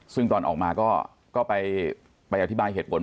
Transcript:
ซึ่งตอนออกมาก็ไปอธิบายเหตุผล